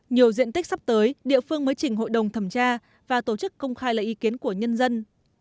nhiều diện tích sắp tới địa phương mới chỉnh hội đồng thẩm tra và tổ chức công khai lấy ý kiến của nhân dân